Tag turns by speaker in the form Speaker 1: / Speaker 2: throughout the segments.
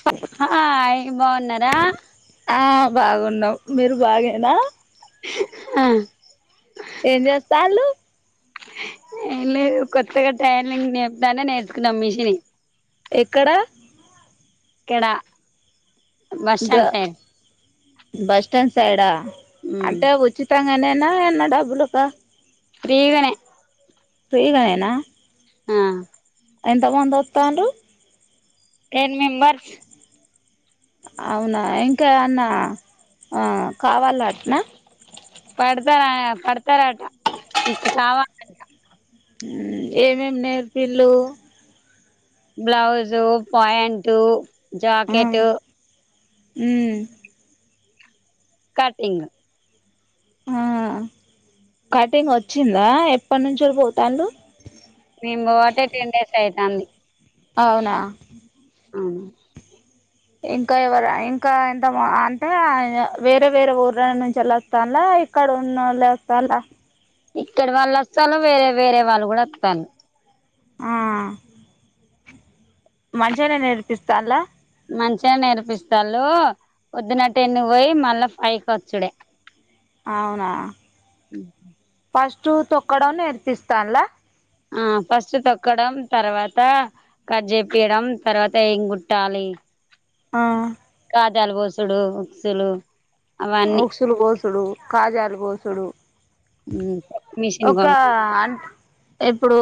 Speaker 1: [inaudible]
Speaker 2: hi బాగున్నారా
Speaker 1: ఆ బాగున్నాం మీరు బాగేనా
Speaker 2: ఆ
Speaker 1: ఏం చేస్తాళ్ళు
Speaker 2: ఏం లేదు కొత్తగా టైలరింగ్ నేర్పుతానే నేర్చుకున్నాం మిషిన్
Speaker 1: ఎక్కడ
Speaker 2: ఇక్కడ బస్
Speaker 1: గా
Speaker 2: స్టాండ్ సైడ్
Speaker 1: బస్టాండ్ సైడా అంటే ఉచిత్ ఉచితనేగానేన ఎన్న డబ్బులుక
Speaker 2: ఫ్రీ గానే
Speaker 1: ఫ్రీ గానేనా
Speaker 2: ఆ
Speaker 1: ఎంతమంది వస్తానరు
Speaker 2: టెన్ మెంబర్స్
Speaker 1: అవునా ఇంకామన్నా ఆ కావాల అట్నా
Speaker 2: పడతారా పడతారాట ఇంక కావలనట
Speaker 1: ఎం ఎం నేర్పిళ్ళు
Speaker 2: బ్లౌజు ప్యాంట్ జాకెట్
Speaker 1: ఉమ్
Speaker 2: కటింగ్
Speaker 1: ఆ కటింగ్ వచ్చిందా ఎప్పటినుంచో పోతాళ్ళు
Speaker 2: మేము పోవటి టెన్ డేస్ అయితుంది
Speaker 1: అవునా
Speaker 2: అవును
Speaker 1: ఇంకా ఎవరు ఇంకా ఎంత అంటే వేరే వేరే ఊర్ నుంచి వెళ్ళస్తానులా ఇక్కడ ఉన్నోలే ఒస్తుల
Speaker 2: ఇక్కడ వాళ్ళు వస్తలు వేరే వేరే వాళ్ళు కూడా వస్తతాలు
Speaker 1: ఆ మంచిగానే నేర్పిస్తలా
Speaker 2: మంచిగా నేర్పిస్తళ పోద్దున టెన్కి పోయి మళ్ళా ఫైకి వచ్చుడే
Speaker 1: అవునా ఫస్ట్ తొక్కడం నేర్పిస్తానులా
Speaker 2: ఆ ఫస్ట్ తొక్కడం తర్వాత కట్ జేపియడం తర్వాత ఏం కుట్టాలి
Speaker 1: ఆ
Speaker 2: కాజాలు బోసుడు ఉక్సులు అవన్నీ
Speaker 1: ఉక్సులు గోసుడు కాజాలు గోసుడు
Speaker 2: ఉమ్
Speaker 1: ఒక అంట్ ఇప్పుడు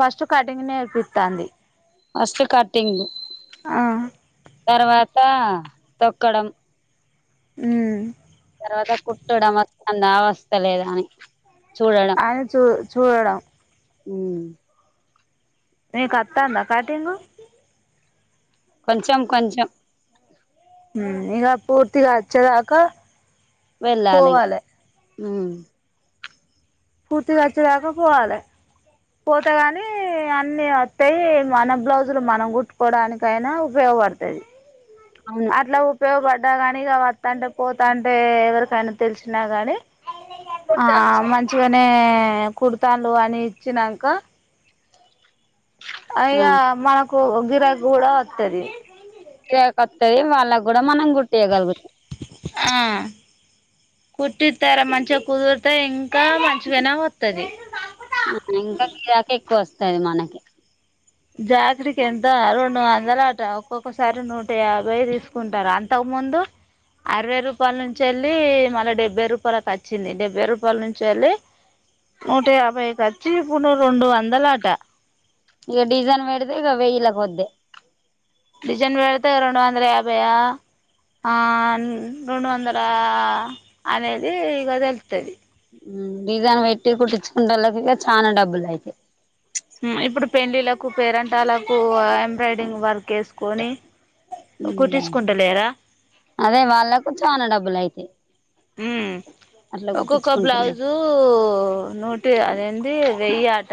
Speaker 1: ఫస్ట్ కటింగ్ నేర్పిస్తాంది
Speaker 2: ఫస్ట్ కటింగ్
Speaker 1: ఆ
Speaker 2: తర్వాత తొక్కడం
Speaker 1: ఉమ్
Speaker 2: తర్వాత కుట్టడం వస్తంద వస్తలేద అని చూడడం
Speaker 1: అని చూ చూడడం
Speaker 2: ఉమ్
Speaker 1: మీ కత్తాందా కటింగు
Speaker 2: కొంచెం కొంచెం
Speaker 1: ఉమ్ ఇగ పూర్తిగా అచ్చదాక
Speaker 2: వెళ్ళాలిగా ఉమ్
Speaker 1: పూర్తిగోచ్చేదాక పోవాలే పోతే గాని అన్ని వస్తాయి మన బ్లౌజులు మనం కుట్టుకోవడానికి కైన ఉపయోగపడతది
Speaker 2: అవును
Speaker 1: అట్లా ఉపయోగపడ్డా గాని ఇగ వత్తాంటే పోతాంటే ఎవరికైనా తెలిసినా గాని ఆ
Speaker 2: కుట్టచ్చు
Speaker 1: మంచిగానే కుడుత్తాండు అని ఇచ్చినంక
Speaker 2: ఆ
Speaker 1: పైగా మనకు గిరాకి కూడా వత్తది
Speaker 2: గిరాకి వత్తయ్ వాళ్ళకు గూడా మనం గుట్టియగలుగుతాం
Speaker 1: ఆ కుట్టితారా మంచిగా కుదురితే ఇంకా మంచిగానే వత్తది
Speaker 2: ఆ ఇంకా గిరాకి ఎక్కువ వస్తది మనకి
Speaker 1: జాకిట్ ఎంత రెండు వందలట ఒక్కొక్కసారి నూట యాభై తీసు కుంటరు అంతకు ముందు అరవై రూపాల నుంచి యెళ్ళి మళ్ళ డెబ్బై రూపాలకి అచ్చింది డెబ్బై రూపాల నుంచి యెళ్ళి నూట యాభైకచ్చి ఇప్పుడు రెండు వందల అట
Speaker 2: ఇగ డీజైన్ బేడితే ఇగ వెయ్యిలకి పోతయి
Speaker 1: డిజైన్ బెడితే రెండు వందల యాభై ఆ ఆ రెండు వందల అనేది ఇగ దెలుతది
Speaker 2: ఉమ్ డిజన్ పెట్టి కుట్టించుకుంటోళ్ళకి గిట్ల చానా డబ్బులయితయి
Speaker 1: ఇప్పుడు పెళ్ళిలకు పేరంటాలకు ఎంబ్రాయిడింగ్ వర్క్ ఏసు
Speaker 2: ఉమ్ అదే వాళ్ళకు చానా డబ్బులయితయి
Speaker 1: ఉమ్ ఒక్కొక్క బ్లౌజు నూటి అదేంది వెయ్యి అట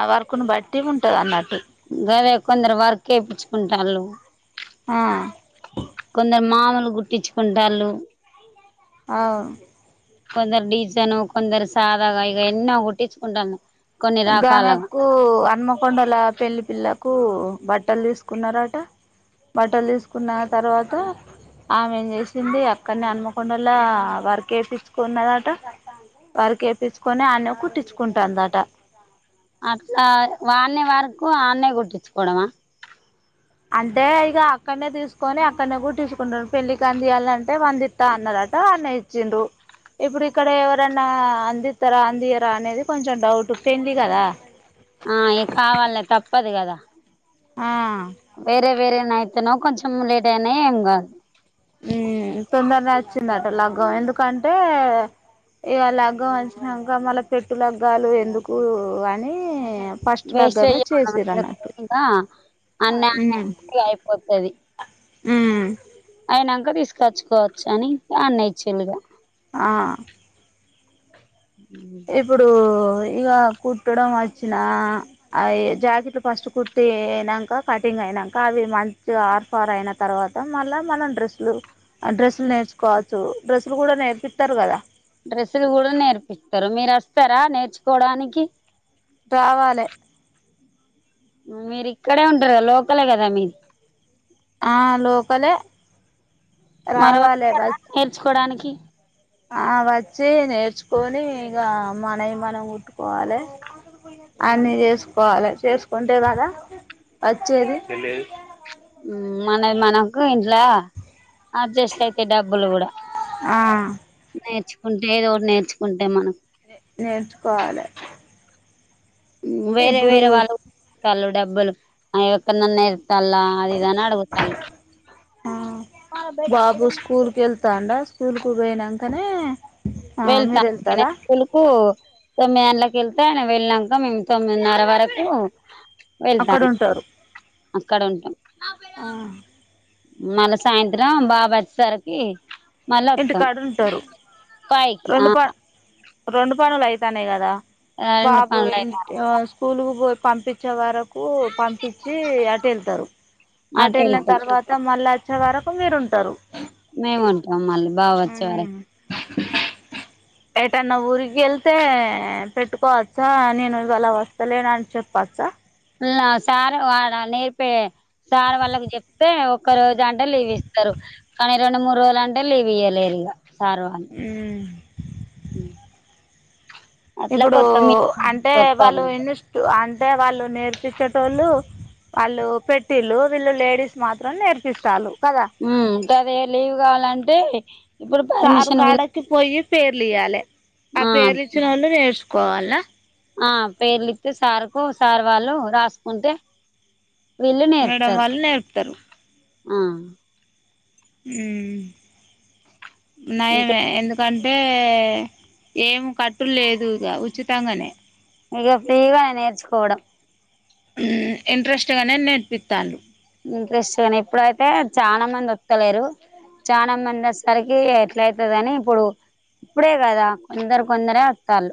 Speaker 1: ఆ వరకును బట్టి ఉంటది అన్నట్టు
Speaker 2: గదే కొందరు వర్క్ ఏపించుకుంటాళ్ళు
Speaker 1: ఆ
Speaker 2: కొందరు మామూలుగ గుట్టించుకుంటళ్ళు
Speaker 1: అవ్
Speaker 2: కొందరు డిజైను కొందరు సాధగా ఇగ ఎన్నో గుట్టించుకుంటాళ్ళు
Speaker 1: గామెకు అన్మకొండల పెళ్ళి పిల్లకు బట్టలు దీసుకున్నరట బట్టలు దీసుకున్న తర్వాత ఆమె ఏం చేసింది అక్కనే అన్మకొండలా వర్క్ ఏపించ్చుకున్నదంట వర్కేపిచుకొని ఆన్నే కుట్టించుకుంటాదట
Speaker 2: అట్లా వాన్నే వర్కు ఆన్నే గుట్టిచుకోవడమా
Speaker 1: అంటే ఇగ అక్కడ్నే తీసుకొని అక్కడ్నే గుట్టించుకుంటరు పెళ్ళి కందియాలంటే వందిత్తా అన్నదట అన్నే ఇచిండ్రు ఇప్పుడు ఇక్కడ ఎవరన్నా అందిత్తరా అందియరా అనేది కొంచెం డౌట్ పెండ్లి గదా
Speaker 2: ఆ ఇగ కావాలే తప్పదు గదా
Speaker 1: ఆ
Speaker 2: వేరే వేరే నయితనో కొంచం లేట్ అయినా ఎం గాదు
Speaker 1: ఉమ్ తొందర నచ్చిందట లగ్గం ఎందుకంటే ఇగ లగ్గం వచ్చినంక మళ్ళ పెట్టు లగ్గాలు ఎందుకు అనీ ఫస్ట్
Speaker 2: వేస్ట్
Speaker 1: లగ్గమే చేసిరన్నట్టు
Speaker 2: చెయ్యకుండా అన్ని
Speaker 1: ఉమ్
Speaker 2: ఆన్నే అయిపోతది
Speaker 1: ఉమ్
Speaker 2: అయినంక దీసుకచ్చుకోవచ్చు అని అన్నె ఇచ్చిలిగా
Speaker 1: ఆ
Speaker 2: ఉమ్
Speaker 1: ఇప్పుడూ ఇగ కుట్టడం వచ్చినా అవి జాకీట్లు ఫస్ట్ కుట్టీ నంక కటింగ్ అయినంక అవి మంచిగా ఆర్ ఫార్ అయిన తర్వాత మళ్ళా మనం డ్రెస్సులు ఆ డ్రెస్సులు నేర్చుకోవచ్చు డ్రెస్సులు గూడ నేర్పిత్తరు గదా
Speaker 2: డ్రెస్సులు గూడ నేర్పిత్తరు మీరు అస్తారా నేర్చుకోడానికి
Speaker 1: రావాలే
Speaker 2: మీరు ఇక్కడే ఉంటరు గద లోకలే గదా మీది
Speaker 1: ఆ లోకలే రావాలె వచ్
Speaker 2: నేర్చుకోడానికి
Speaker 1: ఆ వచ్చి నేర్చుకొని ఇగ మనయి మనం కుట్టుకోవాలే అన్నీ చేసుకోవాలే చేసుకుంటే గదా వచ్చేది
Speaker 2: ఉ మనది మనకు ఇంట్లా అడ్జస్ట్ అయితయ్ డబ్బులు గూడ
Speaker 1: ఆ
Speaker 2: నేర్చుకుంటే ఏదో ఒటి నేర్చుకుంటే మనం
Speaker 1: నేర్చుకోవాలె నే
Speaker 2: ఉ వేరే వేరే
Speaker 1: ఇప్పుడు
Speaker 2: వాళ్ళు కళ్ళు డబ్బులు ఆ ఎక్కన్నన యేంచాల అది ఇది అని అడగుతాండు అన్
Speaker 1: కెల్తా అండే స్కుల్కు పోయినంకనే
Speaker 2: వెళ్తా నేనే స్కులుకు తొమ్మిది గంట్లకి ఎళ్తే నే వెళ్ళినంక మేము తొమ్మిదిన్నర వరకు
Speaker 1: అక్కడ
Speaker 2: వెళ్తాను
Speaker 1: ఉంటారు
Speaker 2: అక్కడుంటం
Speaker 1: ఆ
Speaker 2: మళ్ళ సాయంత్రం బాబు వచ్చేసరికీ మళ్ళొత్తం
Speaker 1: ఇంటికాడ ఉంటారు
Speaker 2: పైకి
Speaker 1: రెండు ప
Speaker 2: ఆహా
Speaker 1: రెండు పనులు అయితానయ్ గదా
Speaker 2: రెండు
Speaker 1: బాబు
Speaker 2: పనులు అయితాయి
Speaker 1: ఇంటి వస్ స్కూలుకు పోయి పంపిచే వరకు పం పిచ్చి అటెళ్తరు
Speaker 2: అటు
Speaker 1: అటెళ్ళిన
Speaker 2: వెళ్తాం
Speaker 1: తర్వాత మళ్ళోచ్చే వరకు మీరు ఉంటరు
Speaker 2: మేము ఉంటాం మళ్ళీ బా వొచ్చే వరక్
Speaker 1: ఎటైన ఊరికి ఎళ్తే పెట్టుకోవచ్చా నేను ఇవాల వస్తలేను అని చెప్పచ్చా
Speaker 2: ఉల్లా సార్ వాడ నేర్పే సార్ వాళ్ళకి చెప్తే ఒప్ ఒక్క రోజు అంటే లీవ్ ఇస్తరు కానీ రెండు మూడు రోజులు అంటే లీవ్ ఇయ్వలేరు ఇగ సార్ వాళ్ళు
Speaker 1: ఉ ఉ
Speaker 2: ఉ
Speaker 1: ఇప్పుడూ అంటే వాళ్ళు ఇన్నిస్టు అంటే వాళ్ళు నేర్పించేటోళ్ళు అళ్ళు పెట్టిలు వీళ్ళు లేడీస్ మాత్రం నేర్పిస్తాలు కదా
Speaker 2: ఉ గదే లీవ్ గాళ్లంటే
Speaker 1: సారు కాడకి పోయి పేర్లు ఇయ్యాలె ఆ పేర్లు ఇచ్చినోళ్లు నేర్చుకోవాల
Speaker 2: ఆ పేర్లి ఇస్తే సార్కు సార్ వాళ్ళు రాసుకుంటే విళ్లు
Speaker 1: మేడం
Speaker 2: నేర్పుతరు
Speaker 1: వాళ్ళు నేర్పుతారు
Speaker 2: ఆ
Speaker 1: ఉ
Speaker 2: ఇంక
Speaker 1: నయమె ఎందు కంటే ఏం కట్టులు లేదు ఇగ ఉచితంగనే
Speaker 2: ఇగ ఫ్రీగనె నేర్చుకోవడం
Speaker 1: ఉ ఇంట్రెస్ట్గానే నేర్పిస్తాండ్రు
Speaker 2: ఇంట్రెస్ట్గానె ఇప్పుడయితే చానా మంది వత్తలేరు చాన మంది వస్తారికి ఎట్ల అయితది అని ఇప్పుడు ఇప్పుడే కదా కొందరు కొందరే వత్తాలు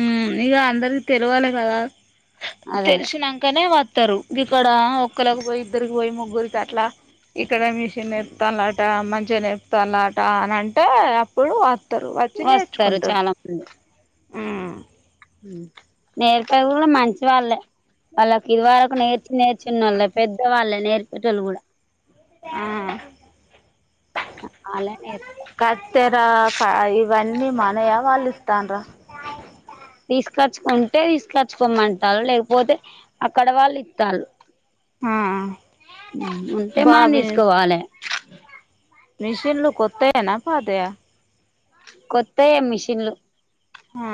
Speaker 1: ఉ ఇగ అందరి తెలువాలి కదా
Speaker 2: అదే
Speaker 1: తెలిసినంకనే వత్తరు గిక్కడ ఒక్కలకి పోయి ఇద్దరికి పోయి ముగ్గురికి అట్లా ఇక్కడ మిషన్ నేర్పుతాలాట మంచిగా నేర్పుతాలాట అని అంటే అప్పుడు అ
Speaker 2: వస్తరు చాలా మంది
Speaker 1: ఊమ్
Speaker 2: నేర్పేది కూడ మంచి వాళ్ళే వాళ్ళకి ఇదివరకి నేర్చి నేర్చున్న వాళ్ళు పెద్ద వాళ్ళ నేర్పేటోలు కూడా
Speaker 1: ఆ
Speaker 2: అల్లే నేర్పి
Speaker 1: కత్తెర కా ఇవన్నీ మనయ వాళ్ళు ఇత్తన్ర
Speaker 2: తీసుకొచ్చుకుంటే తీసుకచ్చుకోమంటాలు లేకపోతే అక్కడ వాళ్ళు ఇత్తాళ్ళు
Speaker 1: ఆ
Speaker 2: ఉంటే మనం తీసుకోవాలె
Speaker 1: మిషిన్లు కొత్తయేనా పాతయా
Speaker 2: కొత్తయె మిషిన్లు
Speaker 1: ఆ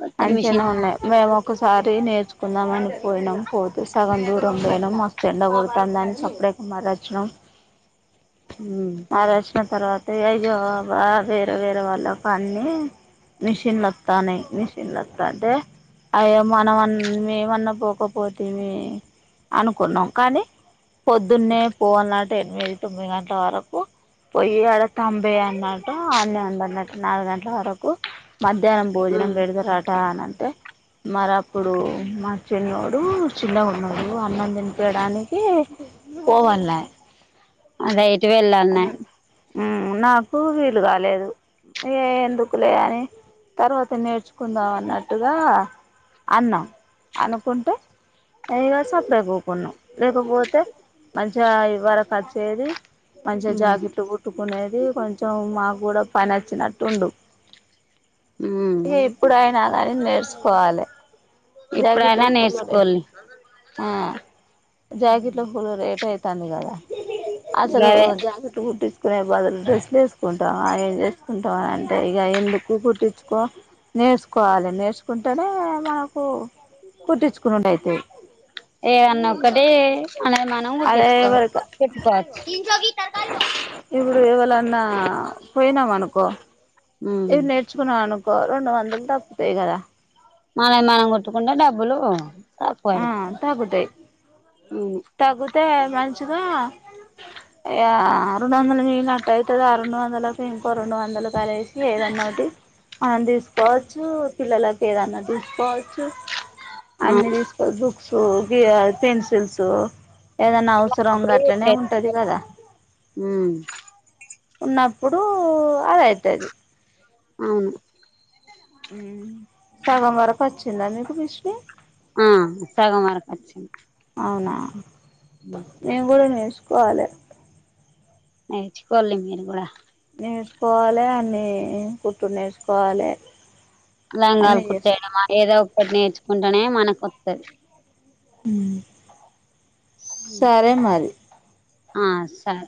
Speaker 2: కొత్త
Speaker 1: మంచింగనే ఉన్నయి మేము ఒకసారి నేర్చుకుందాం అని పోయినాం పోతే సగం దూరం పోయినము మస్తు ఎండ కొడుతాందని సప్పుడేక మర్రచ్చినం
Speaker 2: మిషన్
Speaker 1: మర్రచ్చిన తర్వాత అయ్యో వేరే వేరే వాళ్ళకు అన్ని మిషిన్లత్తాన్నయి మిషన్లత్తాంటే అయ్యో మనమ మేమన్నా పోకపోతిమి అనుకున్నాం కానీ పొద్దున్నే పోవల్నటా ఎనిమిది తొమ్మిది గంటల వరకు పోయి ఆడ తంబేయల్నాంటా ఆన్న అంద అన్నట్టు నాలుగు గంటల వరకు మధ్యాహ్నం భోజనం బెడతరట అన్న అంటే మరి అప్పుడు మా చిన్నోడు చిన్నగున్నప్పుడు అన్నం తినిపియడానికి పోవాల్నాయే
Speaker 2: అదే ఇటు వెళ్ళాన్నాయే
Speaker 1: ఉమ్ నాకు వీలు కాలేదు ఏ ఎందుకులే అని తర్వాత నేర్చుకుందాం అన్నట్టుగా అన్నాం అనుకుంటే ఇగ సప్పుడేకకుకున్నాం లేకపోతే మంచిగా ఇవరకుఅచ్చేది మంచిగా జాకెట్లు కుట్టుకునేది కొంచెం మాకు కూడా పని అచ్చినట్టుండు
Speaker 2: ఉమ్
Speaker 1: ఏ ఎప్పుడయినా కాని నేర్సుకోవాలి
Speaker 2: ఇప్పుడైనా
Speaker 1: జాకెట్లకు ఫుల్లు రేటు
Speaker 2: నేర్చుకోవాలి
Speaker 1: ఆ జాకెట్లు ఫుల్ రేట్ అయితంది కదా అసలు
Speaker 2: గదే
Speaker 1: జాకెట్లు కుట్టి కునే బదులు డ్రెస్సులు ఏసుకుంటవ ఏం తెసుకుంటవు అని అంటే ఇగ ఎందుకు కుట్టించుకోం నేర్చుకోవాలి నేర్చుకుంటేనే మనకు కుట్టించుకునుడైతది
Speaker 2: ఏ అన్న ఒకటీ మనది మనం
Speaker 1: అదే ఎవరిక
Speaker 2: కుట్టిచ్చుకోవకుట్టుకోవచ్చు
Speaker 1: ఇప్పుడు ఎవాలన్నా పోయినామనుకో
Speaker 2: ఉమ్
Speaker 1: ఇవి నేర్చుకున్నవనుకో రెండు వందలు తగ్గుతయి కదా
Speaker 2: మనది మనం కుట్టుకుంటే డబ్బులు
Speaker 1: ఆ
Speaker 2: తక్కువయి
Speaker 1: తగ్గుతాయి
Speaker 2: అవును
Speaker 1: తగ్గుతే మంచిగా ఇగ రెండు వందలు మిగిలినట్టు అయితది ఆ రెండు వందలకు ఇంకో రెండు వందలు కలేసి ఏదన్నోటి మనం తీస్కోవచ్చు పిల్లలకి ఏదన్నా తీస్కోవచ్చు అన్ని తీస్కోచ్చు బుక్స్ గియ పెన్సిల్సు ఏదన్నా అవసరం గట్లనే ఉంటది కదా
Speaker 2: మ్
Speaker 1: ఉన్నప్పుడూ అదైతది
Speaker 2: అవును
Speaker 1: ఉ సగం వరకొచ్చిందా మీకు మిశ్ని
Speaker 2: ఆ సగం వరకొచ్చింది
Speaker 1: అవునా
Speaker 2: మ్
Speaker 1: నేను గూడా నేర్చుకోవాలే
Speaker 2: నేర్చుకోల్లి మేం కూడా
Speaker 1: నేర్చుకోవాలే అన్నీ కుట్టుడ్నేర్చుకోవాలే
Speaker 2: లంగాలు కుట్టేయడమా ఏదో ఒకటి నేర్చుకుంటేనే మనకొత్తది
Speaker 1: మ్ సరే మరి
Speaker 2: ఆ సరే